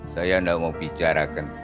saya gak mau bicarakan